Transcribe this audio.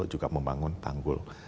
juga membangun tanggul